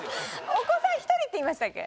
お子さん１人って言いましたっけ？